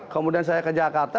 kemudian saya ke jakarta